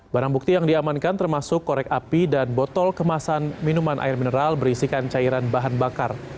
barang bukti yang diamankan termasuk korek api dan botol kemasan minuman air mineral berisikan cairan bahan bakar